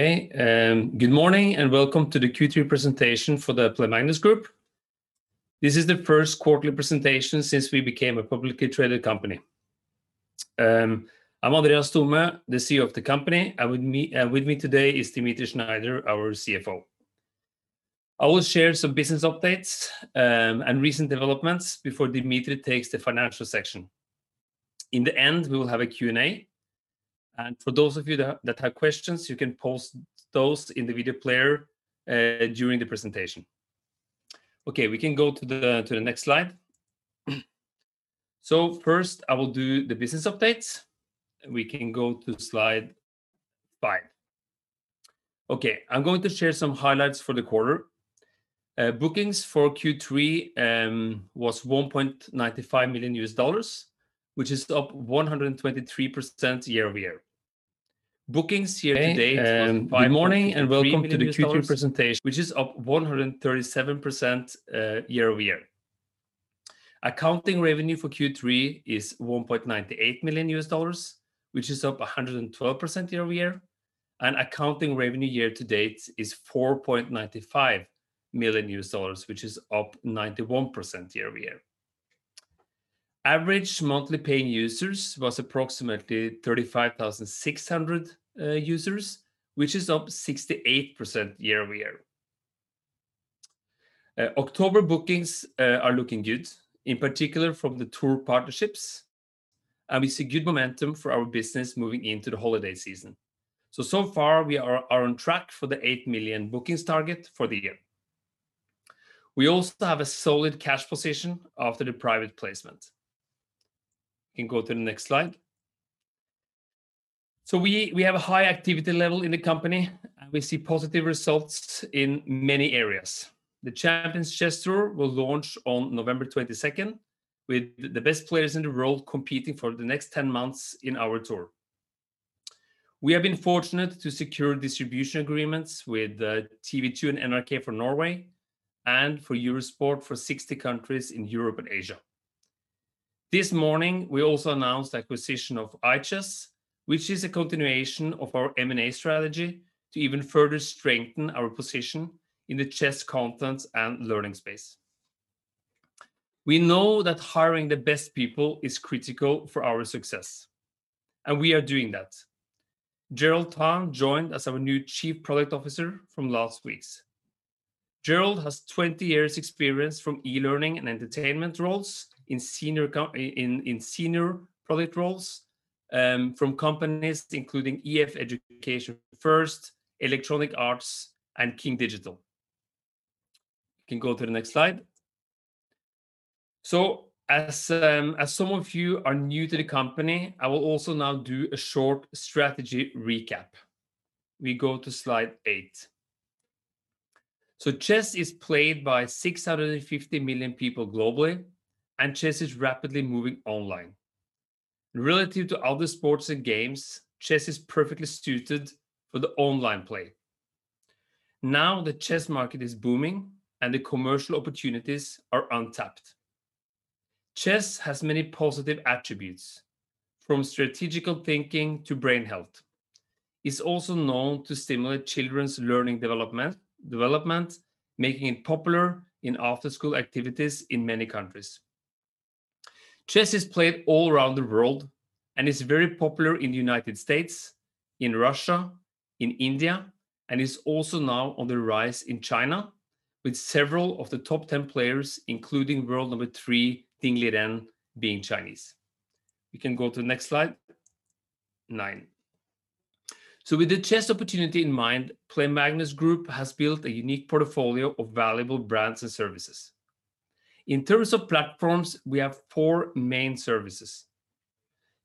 Hey, good morning and welcome to the Q3 presentation for the Play Magnus Group. This is the first quarterly presentation since we became a publicly traded company. I'm Andreas Thome, the CEO of the company, and with me today is Dmitri Shneider, our CFO. I will share some business updates and recent developments before Dmitri takes the financial section. In the end, we will have a Q&A, and for those of you that have questions, you can post those in the video player during the presentation. Okay. We can go to the next slide. First, I will do the business updates. We can go to slide five. Okay, I'm going to share some highlights for the quarter. Bookings for Q3 was $1.95 million, which is up 123% year-over-year. Bookings year to date was $5.3 million, which is up 137% year-over-year. Hey, good morning and welcome to the Q3 presentation. Accounting revenue for Q3 is $1.98 million, which is up 112% year-over-year, and accounting revenue year to date is $4.95 million, which is up 91% year-over-year. Average monthly paying users was approximately 35,600 users, which is up 68% year-over-year. October bookings are looking good, in particular from the tour partnerships, and we see good momentum for our business moving into the holiday season. So far we are on track for the 8 million bookings target for the year. We also have a solid cash position after the private placement. We can go to the next slide. We have a high activity level in the company, and we see positive results in many areas. The Champions Chess Tour will launch on November 22nd, with the best players in the world competing for the next 10 months in our tour. We have been fortunate to secure distribution agreements with TV 2 and NRK for Norway, and for Eurosport for 60 countries in Europe and Asia. This morning, we also announced the acquisition of iChess, which is a continuation of our M&A strategy to even further strengthen our position in the chess content and learning space. We know that hiring the best people is critical for our success, and we are doing that. Gerald Tan joined as our new Chief Product Officer from last week. Gerald has 20 years' experience from e-learning and entertainment roles in senior product roles, from companies including EF Education First, Electronic Arts, and King Digital. We can go to the next slide. As some of you are new to the company, I will also now do a short strategy recap. We go to slide eight. Chess is played by 650 million people globally, and chess is rapidly moving online. Relative to other sports and games, chess is perfectly suited for the online play. The chess market is booming, and the commercial opportunities are untapped. Chess has many positive attributes, from strategical thinking to brain health. It's also known to stimulate children's learning development, making it popular in after-school activities in many countries. Chess is played all around the world, and is very popular in the United States, in Russia, in India, and is also now on the rise in China, with several of the top 10 players, including world number 3 Ding Liren, being Chinese. We can go to the next slide. Nine. With the chess opportunity in mind, Play Magnus Group has built a unique portfolio of valuable brands and services. In terms of platforms, we have four main services.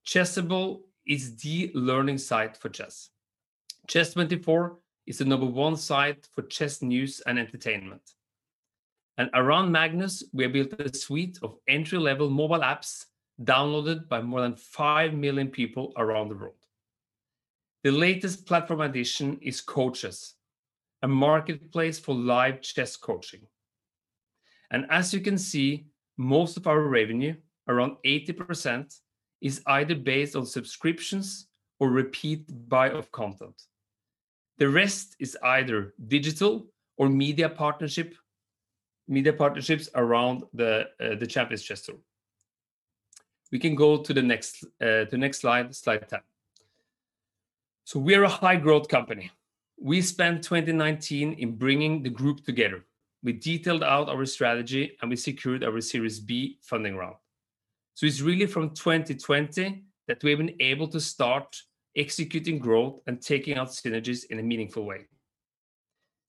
Chessable is the learning site for chess. Chess24 is the number one site for chess news and entertainment. Around Magnus, we have built a suite of entry-level mobile apps downloaded by more than five million people around the world. The latest platform addition is CoChess, a marketplace for live chess coaching. As you can see, most of our revenue, around 80%, is either based on subscriptions or repeat buy of content. The rest is either digital or media partnerships around the Champions Chess Tour. We can go to the next slide. Slide 10. We are a high-growth company. We spent 2019 in bringing the group together. We detailed out our strategy, and we secured our Series B funding round. It's really from 2020 that we've been able to start executing growth and taking out synergies in a meaningful way.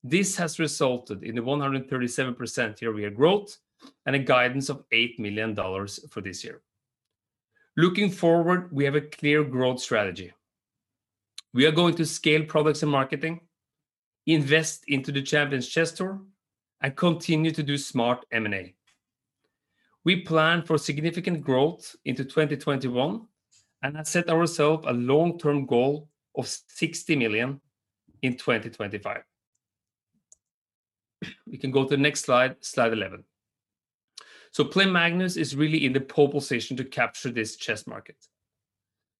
This has resulted in the 137% year-over-year growth and a guidance of $8 million for this year. Looking forward, we have a clear growth strategy. We are going to scale products and marketing, invest into the Champions Chess Tour, and continue to do smart M&A. We plan for significant growth into 2021 and have set ourselves a long-term goal of $60 million in 2025. We can go to the next slide 11. The Play Magnus is really in the pole position to capture this chess market.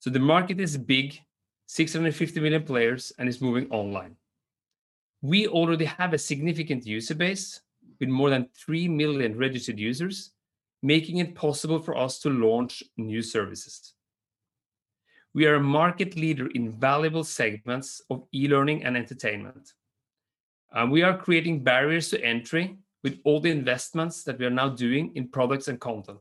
The market is big, 650 million players, and is moving online. We already have a significant user base with more than 3 million registered users, making it possible for us to launch new services. We are a market leader in valuable segments of e-learning and entertainment. We are creating barriers to entry with all the investments that we are now doing in products and content.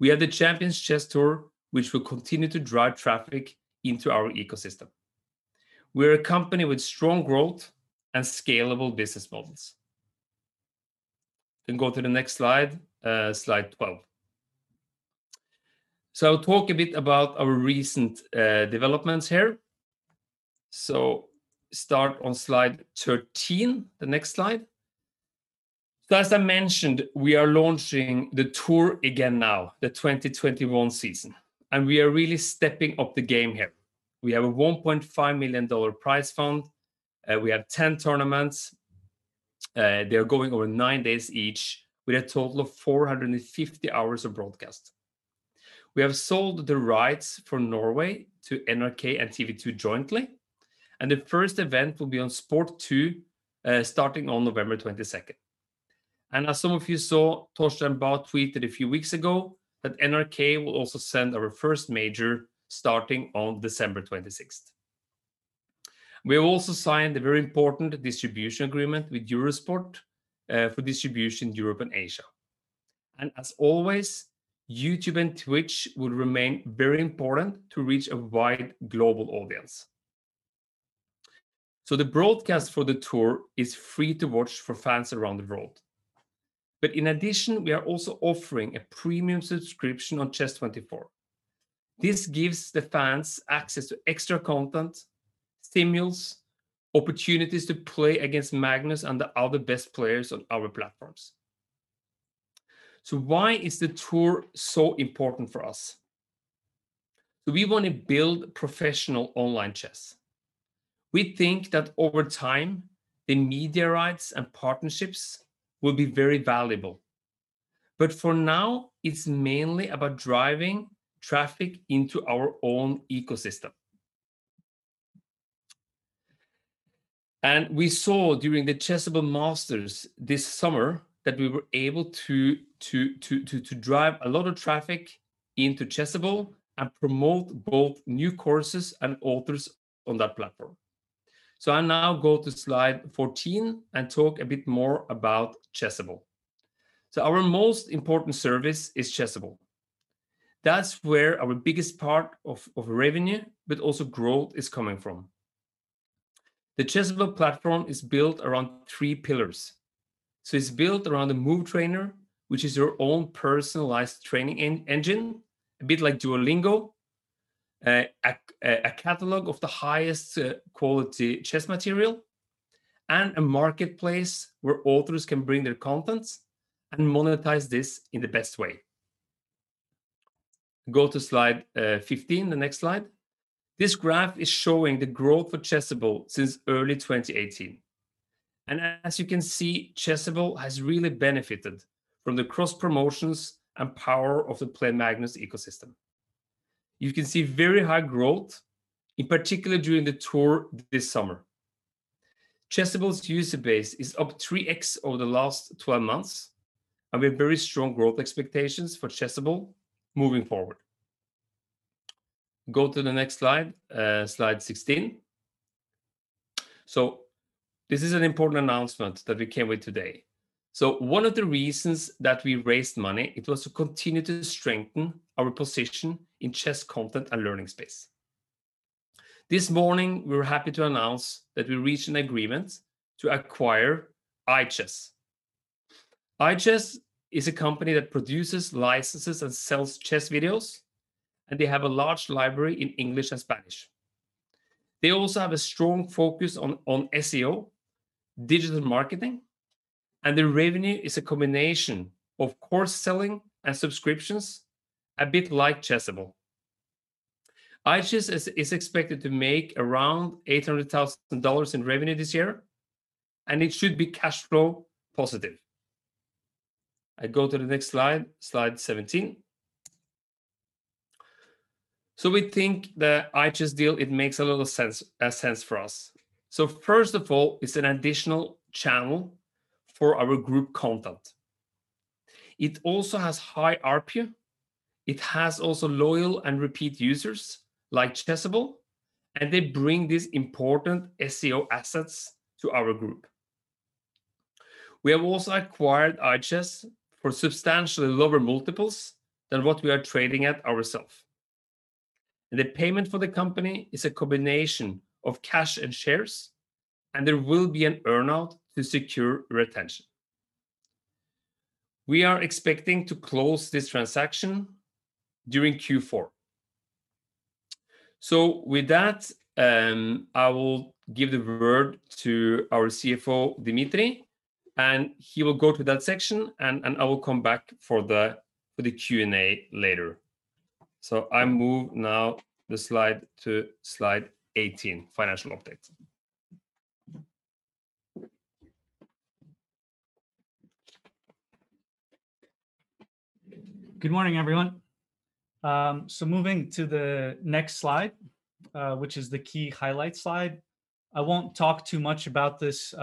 We have the Champions Chess Tour, which will continue to drive traffic into our ecosystem. We're a company with strong growth and scalable business models. Go to the next slide 12. I'll talk a bit about our recent developments here. Start on slide 13, the next slide. As I mentioned, we are launching the tour again now, the 2021 season, and we are really stepping up the game here. We have a $1.5 million prize fund. We have 10 tournaments. They are going over nine days each, with a total of 450 hours of broadcast. We have sold the rights for Norway to NRK and TV 2 jointly. The first event will be on Sport 2, starting on November 22nd. As some of you saw, Torstein Bæ tweeted a few weeks ago that NRK will also send our first major starting on December 26th. We have also signed a very important distribution agreement with Eurosport for distribution in Europe and Asia. As always, YouTube and Twitch will remain very important to reach a wide global audience. The broadcast for the tour is free to watch for fans around the world. In addition, we are also offering a premium subscription on Chess24. This gives the fans access to extra content, simuls, opportunities to play against Magnus and the other best players on our platforms. Why is the tour so important for us? We want to build professional online chess. We think that over time, the media rights and partnerships will be very valuable. For now, it's mainly about driving traffic into our own ecosystem. We saw during the Chessable Masters this summer that we were able to drive a lot of traffic into Chessable and promote both new courses and authors on that platform. I now go to slide 14 and talk a bit more about Chessable. Our most important service is Chessable. That's where our biggest part of revenue, but also growth is coming from. The Chessable platform is built around three pillars. It's built around a MoveTrainer, which is your own personalized training engine, a bit like Duolingo, a catalog of the highest quality chess material, and a marketplace where authors can bring their content and monetize this in the best way. Go to slide 15, the next slide. This graph is showing the growth for Chessable since early 2018. As you can see, Chessable has really benefited from the cross-promotions and power of the Play Magnus ecosystem. You can see very high growth, in particular during the tour this summer. Chessable's user base is up 3x over the last 12 months, and we have very strong growth expectations for Chessable moving forward. Go to the next slide 16. This is an important announcement that we came with today. One of the reasons that we raised money, it was to continue to strengthen our position in chess content and learning space. This morning, we were happy to announce that we reached an agreement to acquire iChess. iChess is a company that produces licenses and sells chess videos, and they have a large library in English and Spanish. They also have a strong focus on SEO, digital marketing, and the revenue is a combination of course selling and subscriptions, a bit like Chessable. iChess is expected to make around $800,000 in revenue this year, and it should be cash flow positive. I go to the next slide 17. We think the iChess deal, it makes a lot of sense for us. First of all, it's an additional channel for our group content. It also has high ARPU. It has also loyal and repeat users, like Chessable, and they bring these important SEO assets to our group. We have also acquired iChess for substantially lower multiples than what we are trading at ourself. The payment for the company is a combination of cash and shares, and there will be an earn-out to secure retention. We are expecting to close this transaction during Q4. With that, I will give the word to our CFO, Dmitri, and he will go to that section, and I will come back for the Q&A later. I move now the slide to slide 18, financial update. Good morning, everyone. Moving to the next slide, which is the Key Highlights slide. I won't talk too much about this,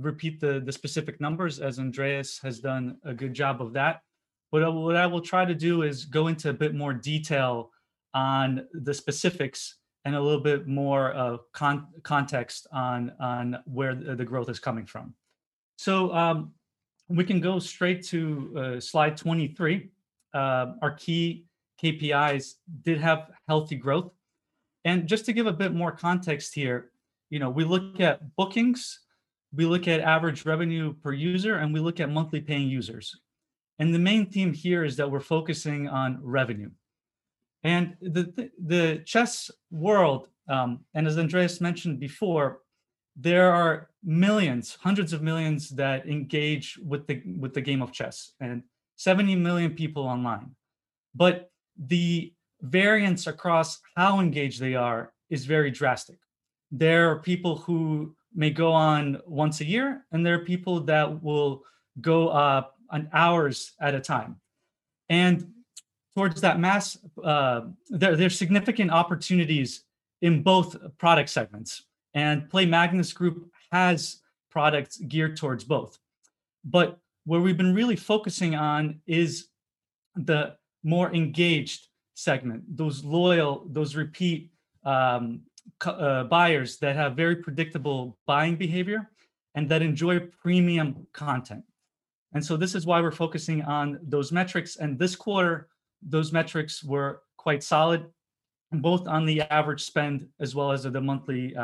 repeat the specific numbers, as Andreas has done a good job of that. What I will try to do is go into a bit more detail on the specifics and a little bit more of context on where the growth is coming from. We can go straight to slide 23. Our key KPIs did have healthy growth. Just to give a bit more context here, we look at bookings, we look at average revenue per user, and we look at monthly paying users. The main theme here is that we're focusing on revenue. The chess world, and as Andreas mentioned before, there are millions, hundreds of millions that engage with the game of chess, and 70 million people online. The variance across how engaged they are is very drastic. There are people who may go on once a year, and there are people that will go on hours at a time. Towards that mass, there's significant opportunities in both product segments, and Play Magnus Group has products geared towards both. Where we've been really focusing on is the more engaged segment, those loyal, those repeat buyers that have very predictable buying behavior and that enjoy premium content. This is why we're focusing on those metrics. This quarter, those metrics were quite solid, both on the average spend as well as the monthly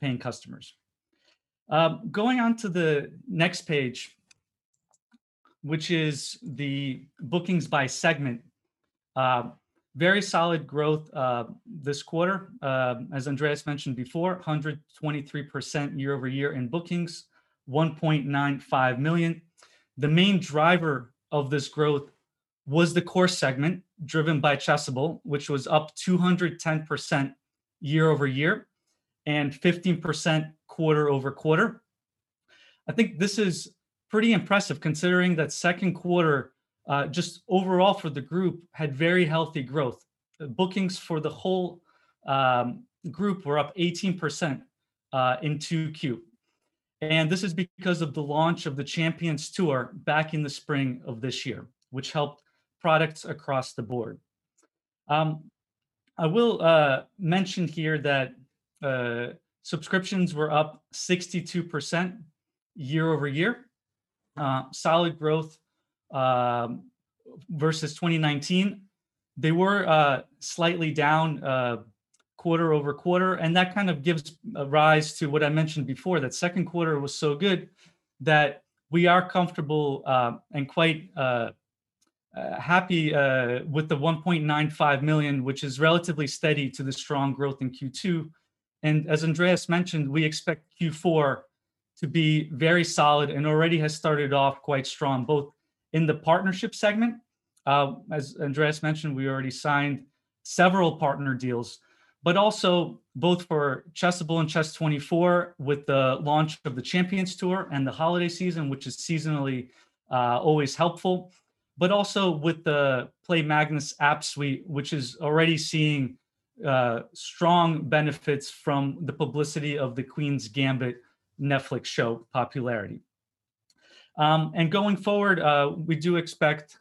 paying customers. Going on to the next page, which is the bookings by segment. Very solid growth this quarter. As Andreas mentioned before, 123% year-over-year in bookings, $1.95 million. The main driver of this growth was the course segment driven by Chessable, which was up 210% year-over-year and 15% quarter-over-quarter. I think this is pretty impressive considering that second quarter, just overall for the group, had very healthy growth. Bookings for the whole group were up 18% in 2Q. This is because of the launch of the Champions Chess Tour back in the spring of this year, which helped products across the board. I will mention here that subscriptions were up 62% year-over-year. Solid growth versus 2019. They were slightly down quarter-over-quarter, and that kind of gives a rise to what I mentioned before, that second quarter was so good that we are comfortable and quite happy with the $1.95 million, which is relatively steady to the strong growth in Q2. As Andreas mentioned, we expect Q4 to be very solid and already has started off quite strong, both in the partnership segment, as Andreas mentioned, we already signed several partner deals. Also both for Chessable and Chess24 with the launch of the Champions Tour and the holiday season, which is seasonally always helpful. Also with the Play Magnus app suite, which is already seeing strong benefits from the publicity of "The Queen's Gambit" Netflix show popularity. Going forward, we do expect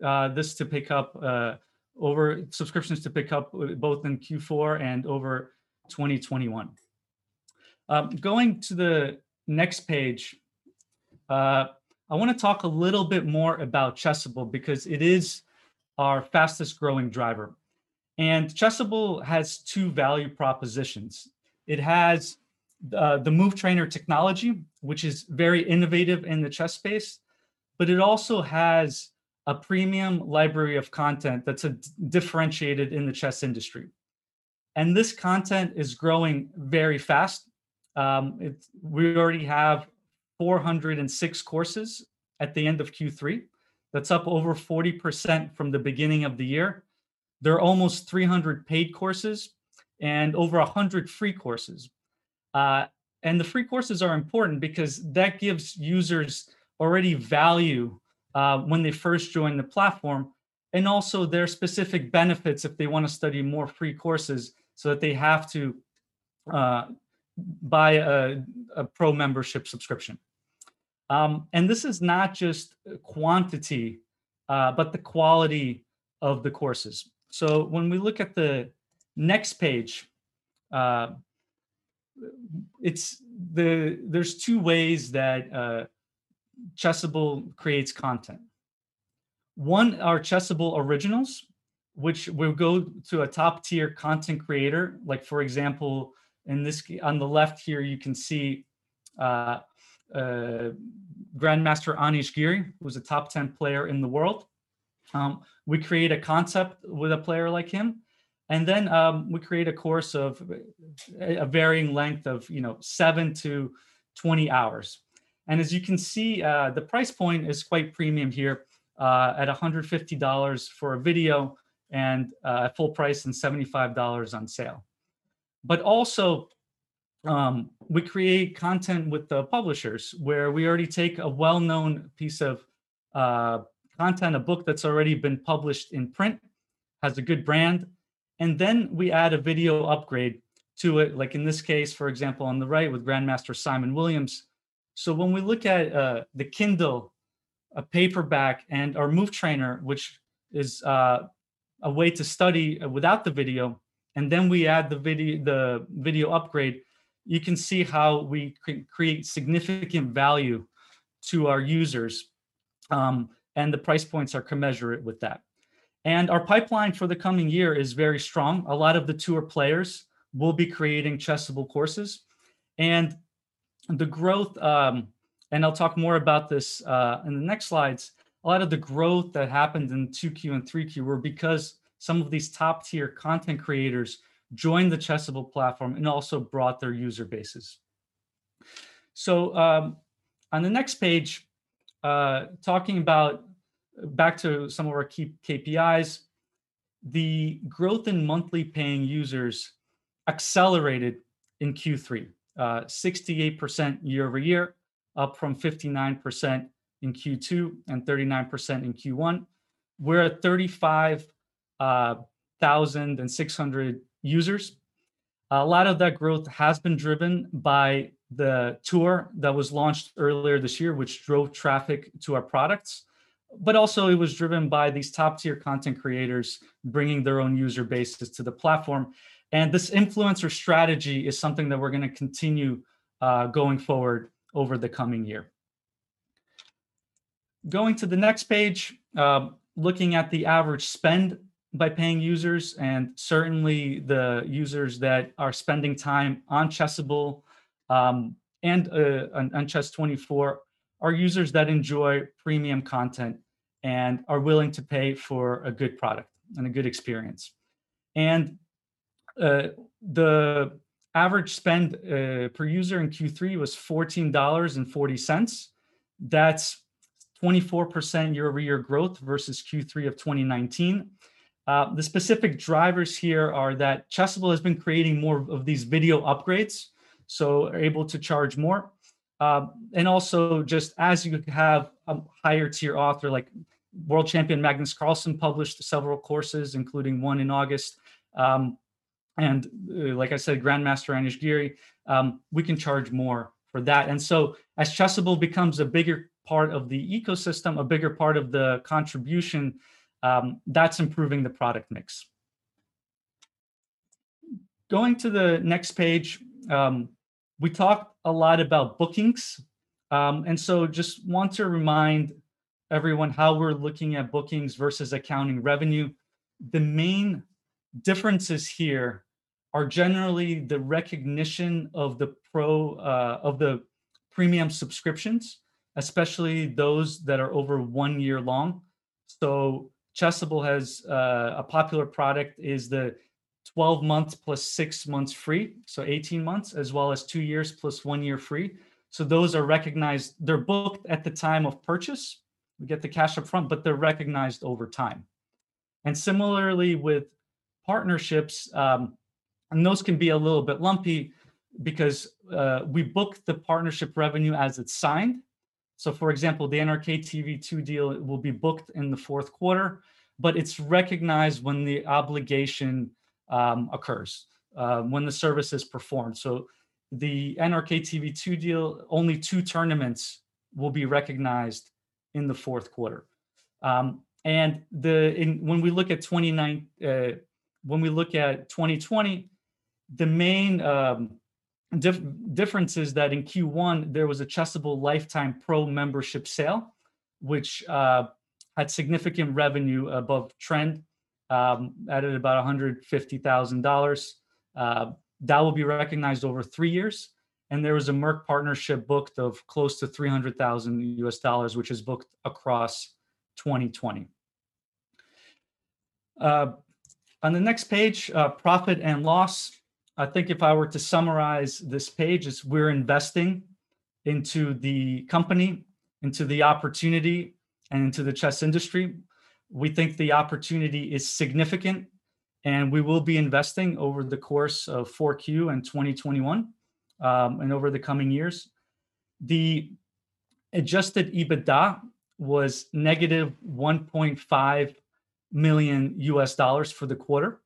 subscriptions to pick up both in Q4 and over 2021. Going to the next page, I want to talk a little bit more about Chessable because it is our fastest-growing driver. Chessable has two value propositions. It has the MoveTrainer technology, which is very innovative in the chess space, but it also has a premium library of content that's differentiated in the chess industry. This content is growing very fast. We already have 406 courses at the end of Q3. That's up over 40% from the beginning of the year. There are almost 300 paid courses and over 100 free courses. The free courses are important because that gives users already value when they first join the platform, and also there are specific benefits if they want to study more free courses so that they have to buy a pro membership subscription. This is not just quantity, but the quality of the courses. When we look at the next page, there's two ways that Chessable creates content. One are Chessable Originals, which will go to a top-tier content creator, like for example, on the left here you can see Grandmaster Anish Giri, who's a top 10 player in the world. We create a concept with a player like him, and then we create a course of a varying length of seven to 20 hours. As you can see, the price point is quite premium here at $150 for a video and at full price and $75 on sale. Also, we create content with the publishers where we already take a well-known piece of content, a book that's already been published in print, has a good brand, and then we add a video upgrade to it. Like in this case, for example, on the right with Grandmaster Simon Williams. When we look at the Kindle, a paperback, and our MoveTrainer, which is a way to study without the video, then we add the video upgrade, you can see how we can create significant value to our users. The price points are commensurate with that. Our pipeline for the coming year is very strong. A lot of the tour players will be creating Chessable courses. The growth, and I'll talk more about this in the next slides, a lot of the growth that happened in 2Q and 3Q were because some of these top-tier content creators joined the Chessable platform and also brought their user bases. On the next page, talking about back to some of our key KPIs, the growth in monthly paying users accelerated in Q3, 68% year-over-year, up from 59% in Q2 and 39% in Q1. We're at 35,600 users. A lot of that growth has been driven by the tour that was launched earlier this year, which drove traffic to our products. Also, it was driven by these top-tier content creators bringing their own user bases to the platform. This influencer strategy is something that we're going to continue going forward over the coming year. Going to the next page, looking at the average spend by paying users, certainly the users that are spending time on Chessable and on Chess24 are users that enjoy premium content and are willing to pay for a good product and a good experience. The average spend per user in Q3 was $14.40. That's 24% year-over-year growth versus Q3 of 2019. The specific drivers here are that Chessable has been creating more of these video upgrades, are able to charge more. Also just as you have a higher-tier author, like World Champion Magnus Carlsen published several courses, including one in August. Like I said, Grandmaster Anish Giri, we can charge more for that. As Chessable becomes a bigger part of the ecosystem, a bigger part of the contribution, that's improving the product mix. Going to the next page, we talked a lot about bookings. Just want to remind everyone how we're looking at bookings versus accounting revenue. The main differences here are generally the recognition of the premium subscriptions, especially those that are over one year long. Chessable has a popular product is the 12 months plus six months free, so 18 months, as well as two years plus one year free. Those are recognized. They're booked at the time of purchase. We get the cash up front, but they're recognized over time. Similarly with partnerships, and those can be a little bit lumpy because we book the partnership revenue as it's signed. For example, the NRK TV 2 deal will be booked in the fourth quarter, but it's recognized when the obligation occurs, when the service is performed. The NRK TV 2 deal, only two tournaments will be recognized in the fourth quarter. When we look at 2020, the main difference is that in Q1, there was a Chessable Lifetime Pro membership sale, which had significant revenue above trend, at about $150,000. That will be recognized over three years. There was a Merck partnership booked of close to $300,000, which is booked across 2020. The next page, profit and loss. I think if I were to summarize this page is we're investing into the company, into the opportunity, and into the chess industry. We think the opportunity is significant and we will be investing over the course of 4Q and 2021, and over the coming years. The adjusted EBITDA was negative $1.5 million for the quarter.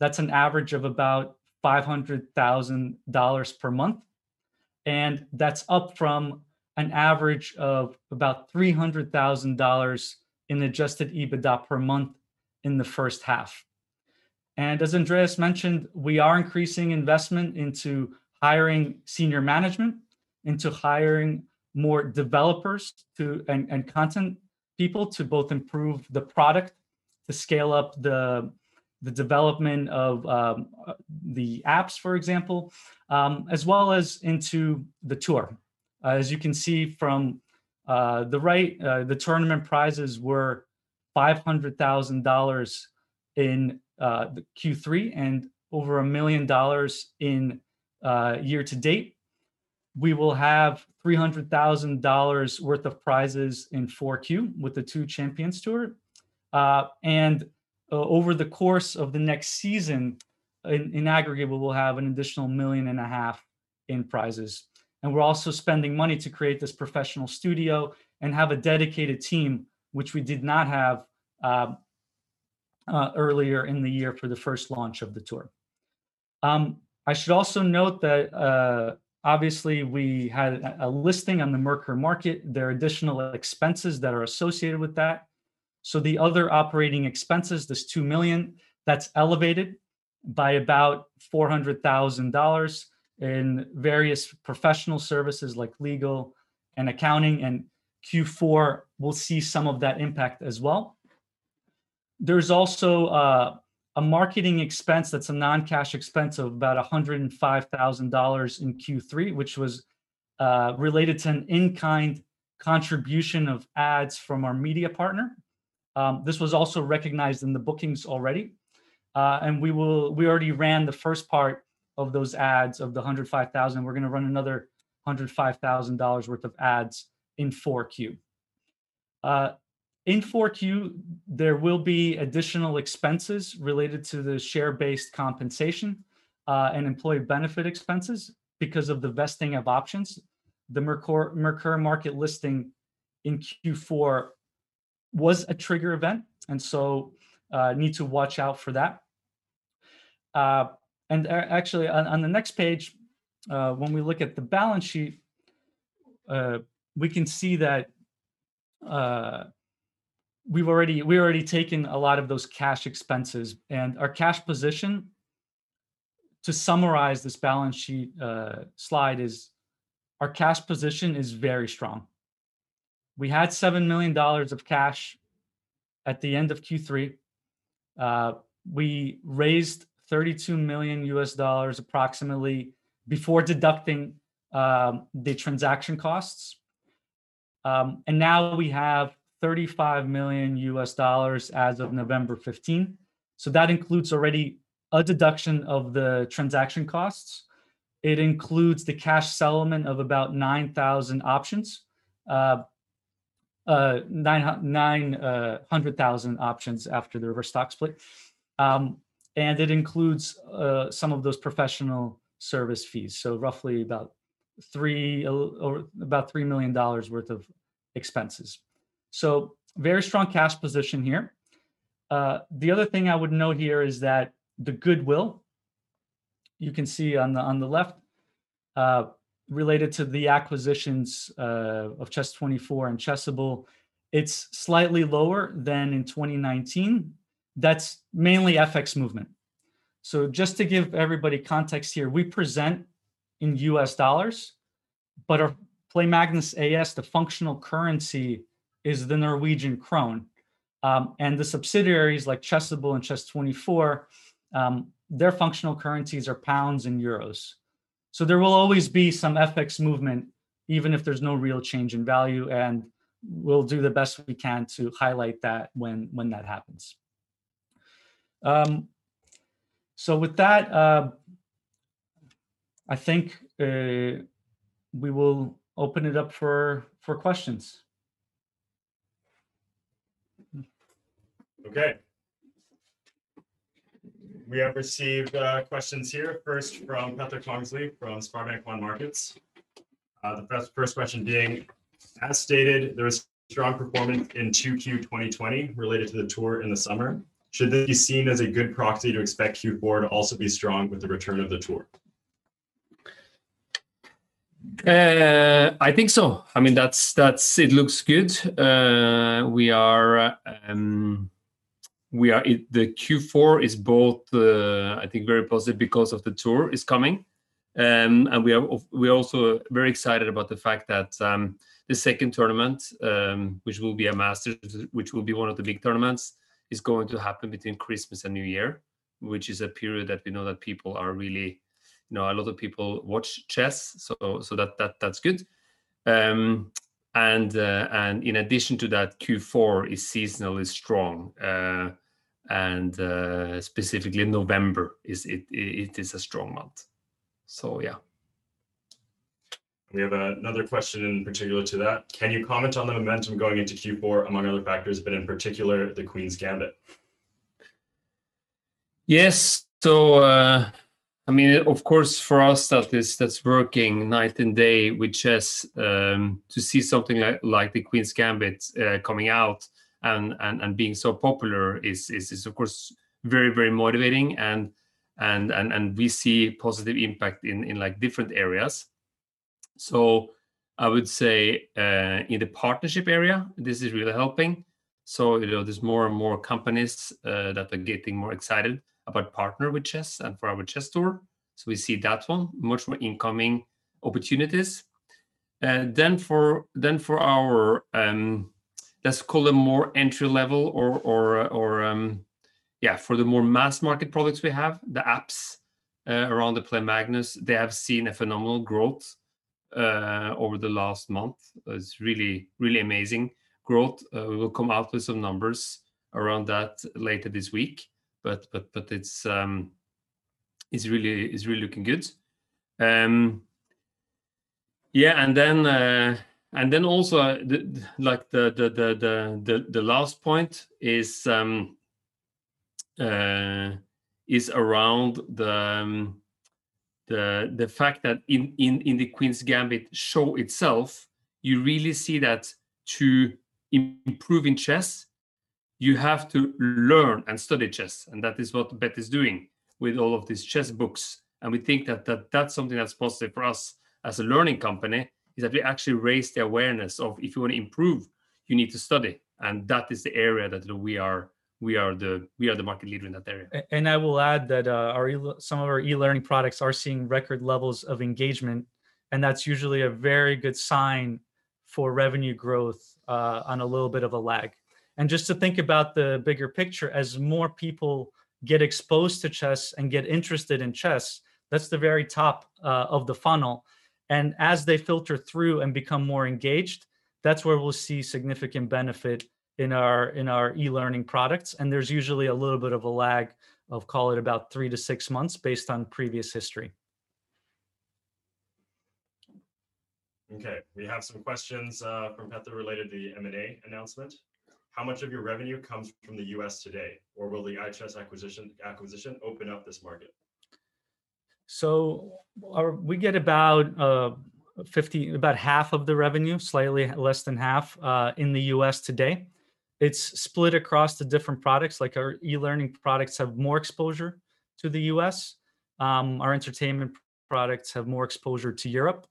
That's an average of about $500,000 per month, that's up from an average of about $300,000 in adjusted EBITDA per month in the first half. As Andreas mentioned, we are increasing investment into hiring senior management, into hiring more developers, and content people to both improve the product, to scale up the development of the apps, for example, as well as into the tour. As you can see from the right, the tournament prizes were $500,000 in the Q3 and over $1 million in year to date. We will have $300,000 worth of prizes in 4Q with the two Champions Chess Tour. Over the course of the next season, in aggregate, we will have an additional million and a half in prizes. We're also spending money to create this professional studio and have a dedicated team, which we did not have earlier in the year for the first launch of the tour. I should also note that obviously we had a listing on the Merkur Market. There are additional expenses that are associated with that. The other operating expenses, this $2 million, that's elevated by about $400,000 in various professional services like legal and accounting, and Q4 will see some of that impact as well. A marketing expense that's a non-cash expense of about $105,000 in Q3, which was related to an in-kind contribution of ads from our media partner. This was recognized in the bookings already. We already ran the first part of those ads of the $105,000. We're going to run another $105,000 worth of ads in 4Q. In 4Q, there will be additional expenses related to the share-based compensation and employee benefit expenses because of the vesting of options. The Merkur Market listing in Q4 was a trigger event, need to watch out for that. Actually, on the next page, when we look at the balance sheet, we can see that we've already taken a lot of those cash expenses. Our cash position, to summarize this balance sheet slide, is very strong. We had $7 million of cash at the end of Q3. We raised $32 million approximately before deducting the transaction costs. Now we have $35 million as of November 15. That includes already a deduction of the transaction costs. It includes the cash settlement of about 9,000 options, 900,000 options after the reverse stock split. It includes some of those professional service fees, roughly about $3 million worth of expenses. Very strong cash position here. The other thing I would note here is that the goodwill, you can see on the left, related to the acquisitions of Chess24 and Chessable, it's slightly lower than in 2019. That's mainly FX movement. Just to give everybody context here, we present in US dollars, but our Play Magnus AS, the functional currency is the Norwegian krone. The subsidiaries like Chessable and Chess24, their functional currencies are pounds and euros. There will always be some FX movement even if there's no real change in value, we'll do the best we can to highlight that when that happens. With that, I think we will open it up for questions. Okay. We have received questions here, first from Petter Kongsli from SpareBank 1 Markets. The first question being, as stated, there was strong performance in 2Q 2020 related to the tour in the summer. Should this be seen as a good proxy to expect Q4 to also be strong with the return of the tour? I think so. It looks good. The Q4 is both, I think, very positive because of the tour is coming, and we are also very excited about the fact that the second tournament, which will be a Chessable Masters, which will be one of the big tournaments, is going to happen between Christmas and New Year, which is a period that we know that a lot of people watch chess. That's good. In addition to that, Q4 is seasonally strong. Specifically November, it is a strong month. Yeah. We have another question in particular to that. Can you comment on the momentum going into Q4, among other factors, but in particular, "The Queen's Gambit"? Yes. Of course, for us that's working night and day with chess, to see something like The Queen's Gambit coming out and being so popular is, of course, very motivating, and we see positive impact in different areas. I would say, in the partnership area, this is really helping. There's more and more companies that are getting more excited about partner with chess and for our chess tour. We see that one, much more incoming opportunities. For our, let's call them more entry level Yeah, for the more mass market products we have, the apps around the Play Magnus, they have seen a phenomenal growth over the last month. It's really amazing growth. We will come out with some numbers around that later this week, but it's really looking good. Yeah, and then also the last point is around the fact that in "The Queen's Gambit" show itself, you really see that to improve in chess, you have to learn and study chess, and that is what Beth is doing with all of these chess books. We think that that's something that's positive for us as a learning company, is that we actually raise the awareness of if you want to improve, you need to study. That is the area that we are the market leader in that area. I will add that some of our e-learning products are seeing record levels of engagement, and that's usually a very good sign for revenue growth on a little bit of a lag. Just to think about the bigger picture, as more people get exposed to chess and get interested in chess, that's the very top of the funnel. As they filter through and become more engaged, that's where we'll see significant benefit in our e-learning products, and there's usually a little bit of a lag of call it about three to six months based on previous history. Okay. We have some questions from Heather related to the M&A announcement. How much of your revenue comes from the U.S. today, or will the iChess acquisition open up this market? We get about half of the revenue, slightly less than half, in the U.S. today. It's split across the different products. Our e-learning products have more exposure to the U.S. Our entertainment products have more exposure to Europe.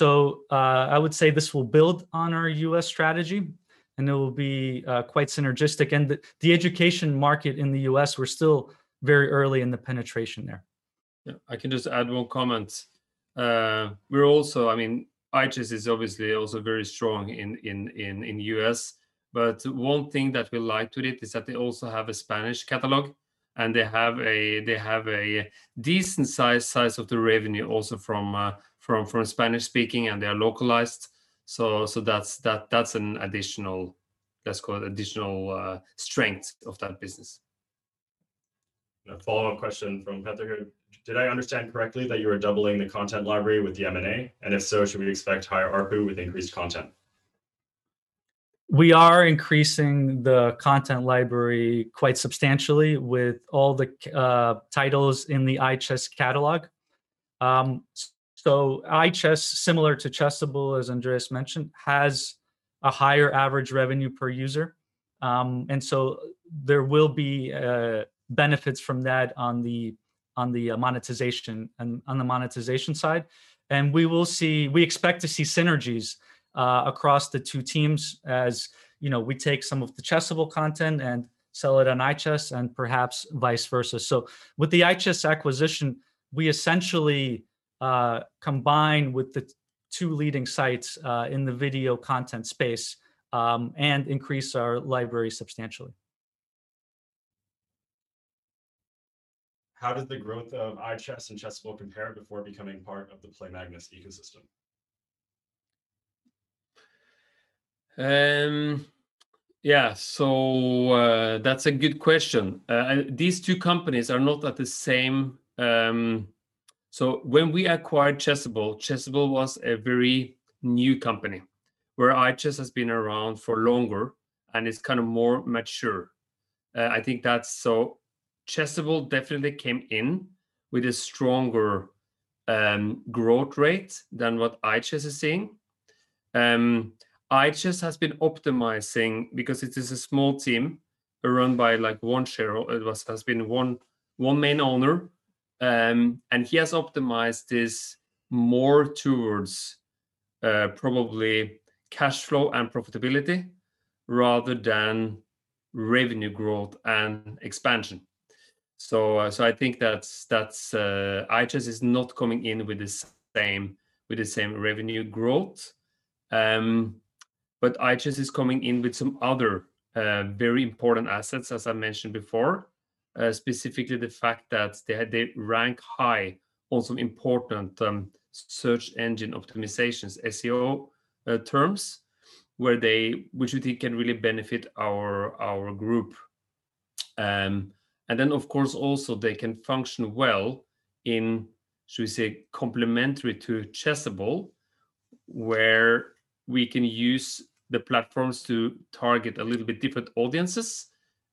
I would say this will build on our U.S. strategy, and it will be quite synergistic. The education market in the U.S., we're still very early in the penetration there. Yeah, I can just add one comment. iChess is obviously also very strong in U.S. One thing that we like to it is that they also have a Spanish catalog. They have a decent size of the revenue also from Spanish-speaking. They are localized. That's an additional strength of that business. A follow-up question from Heather. Did I understand correctly that you are doubling the content library with the M&A? If so, should we expect higher ARPU with increased content? We are increasing the content library quite substantially with all the titles in the iChess catalog. iChess, similar to Chessable, as Andreas mentioned, has a higher average revenue per user. There will be benefits from that on the monetization side. We expect to see synergies across the two teams. As we take some of the Chessable content and sell it on iChess and perhaps vice versa. With the iChess acquisition, we essentially combine with the two leading sites in the video content space, and increase our library substantially. How did the growth of iChess and Chessable compare before becoming part of the Play Magnus ecosystem? Yeah. That's a good question. When we acquired Chessable was a very new company, where iChess has been around for longer and is kind of more mature. Chessable definitely came in with a stronger growth rate than what iChess is seeing. iChess has been optimizing because it is a small team run by one shareholder, it has been one main owner. He has optimized this more towards probably cash flow and profitability rather than revenue growth and expansion. I think that iChess is not coming in with the same revenue growth. iChess is coming in with some other very important assets, as I mentioned before, specifically the fact that they rank high on some important search engine optimizations, SEO terms, which we think can really benefit our group. Of course, also they can function well in, should we say, complementary to Chessable, where we can use the platforms to target a little bit different audiences.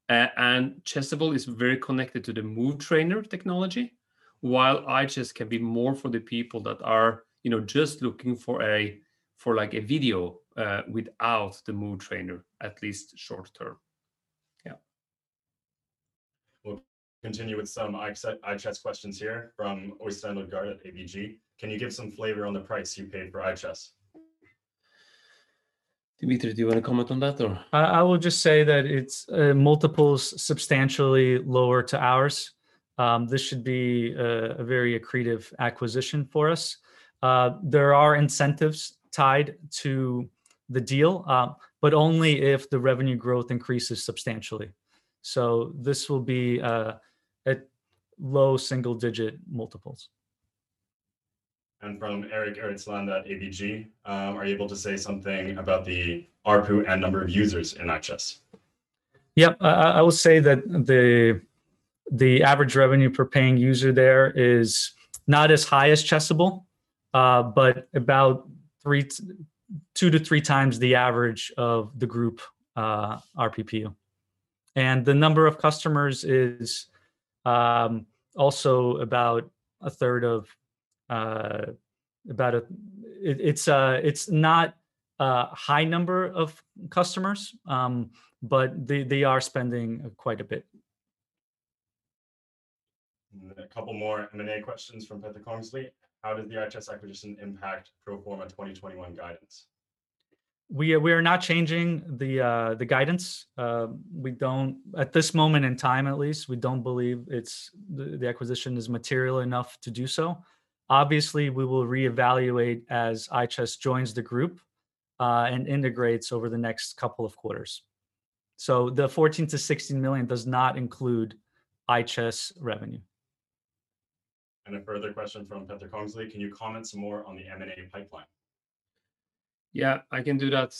Chessable is very connected to the MoveTrainer technology, while iChess can be more for the people that are just looking for a video without the MoveTrainer, at least short term. Yeah. We'll continue with some iChess questions here from Øystein Lodgaard at ABG. Can you give some flavor on the price you paid for iChess? Dmitri, do you want to comment on that, or? I will just say that it's multiples substantially lower to ours. This should be a very accretive acquisition for us. There are incentives tied to the deal, but only if the revenue growth increases substantially. This will be at low single-digit multiples. From Eric@ABG: "Are you able to say something about the ARPU and number of users in Chess? Yep. I will say that the average revenue per paying user there is not as high as Chessable, but about two to three times the average of the group ARPU. It's not a high number of customers, but they are spending quite a bit. A couple more M&A questions from Petter Kongsli. "How does the Chess acquisition impact pro forma 2021 guidance? We are not changing the guidance. At this moment in time at least, we don't believe the acquisition is material enough to do so. We will reevaluate as iChess joins the group and integrates over the next couple of quarters. The $14 million-$6 million does not include iChess revenue. A further question from Petter Kongsli: "Can you comment some more on the M&A pipeline? Yeah, I can do that.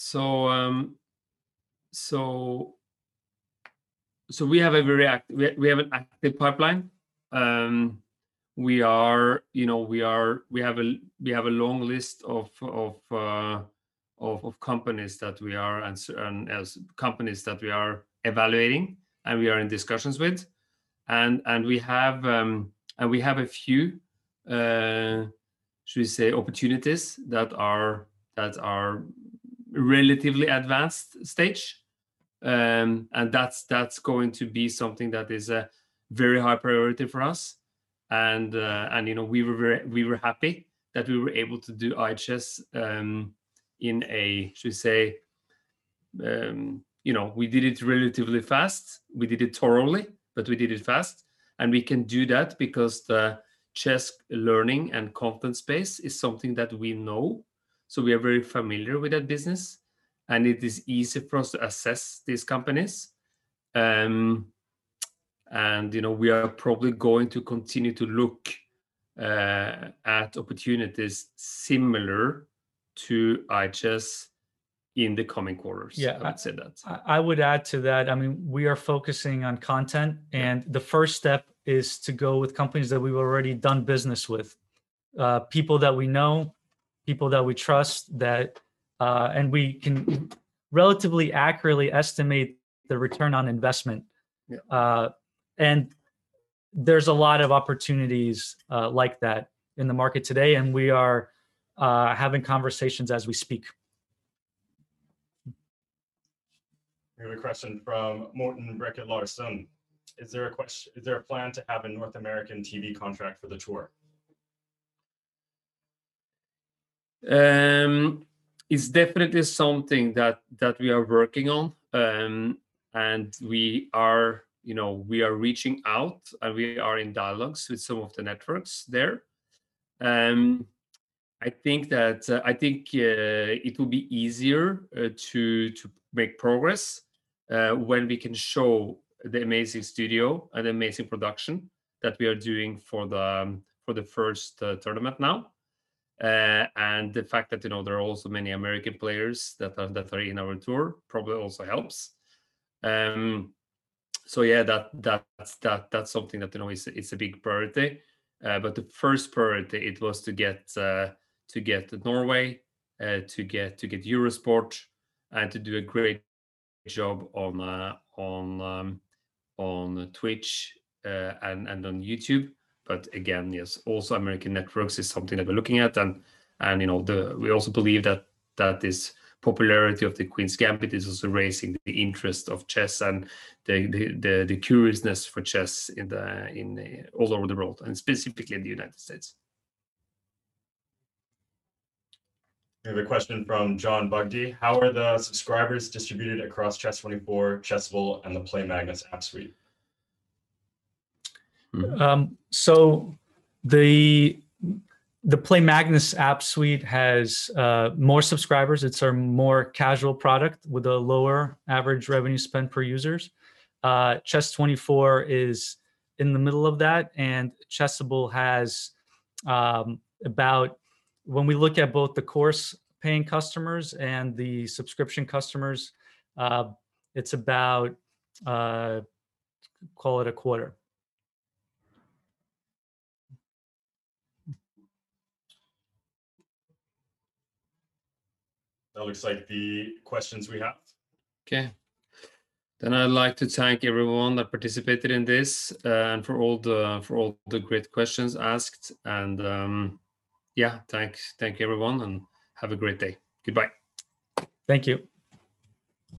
We have an active pipeline. We have a long list of companies that we are evaluating and we are in discussions with. We have a few, should we say, opportunities that are relatively advanced stage. That's going to be something that is a very high priority for us. We were happy that we were able to do iChess. We did it relatively fast. We did it thoroughly, we did it fast. We can do that because the chess learning and content space is something that we know. We are very familiar with that business, and it is easy for us to assess these companies. We are probably going to continue to look at opportunities similar to iChess in the coming quarters. Yeah. I'd say that. I would add to that, we are focusing on content, and the first step is to go with companies that we've already done business with, people that we know, people that we trust, and we can relatively accurately estimate the return on investment. Yeah. There's a lot of opportunities like that in the market today, and we are having conversations as we speak. We have a question from Morten Brekke-Larsen. "Is there a plan to have a North American TV contract for the tour? It's definitely something that we are working on. We are reaching out, and we are in dialogues with some of the networks there. I think it will be easier to make progress when we can show the amazing studio and amazing production that we are doing for the first tournament now. The fact that there are also many American players that are in our tour probably also helps. Yeah, that's something that is a big priority. The first priority, it was to get Norway, to get Eurosport, and to do a great job on Twitch and on YouTube. Again, yes, also American networks is something that we're looking at. We also believe that this popularity of The Queen's Gambit is also raising the interest of chess and the curiousness for chess all over the world, and specifically in the United States. We have a question from John Bugdy: "How are the subscribers distributed across Chess24, Chessable, and the Play Magnus app suite? The Play Magnus app suite has more subscribers. It's our more casual product with a lower average revenue spend per users. Chess24 is in the middle of that. Chessable has about, when we look at both the course-paying customers and the subscription customers, it's about call it a quarter. That looks like the questions we have. Okay. I'd like to thank everyone that participated in this, and for all the great questions asked. Thank you, everyone, and have a great day. Goodbye. Thank you.